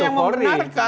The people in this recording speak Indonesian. siapa yang membenarkan